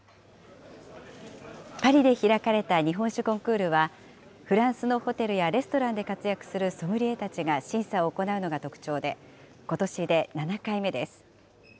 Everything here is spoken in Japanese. パリで開かれた日本酒コンクールは、フランスのホテルやレストランで活躍するソムリエたちが審査を行うのが特徴で、ことしで７回目です。